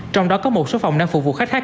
trong đó có một số phòng đang phục vụ khách khác